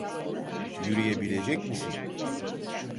Yürüyebilecek misin?